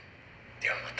ではまた。